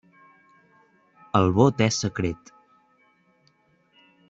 El vot és secret.